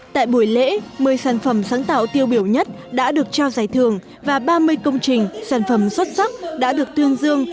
tại buổi lễ một mươi sản phẩm sáng tạo tiêu biểu nhất đã được trao giải thưởng và ba mươi công trình sản phẩm xuất sắc đã được tương dương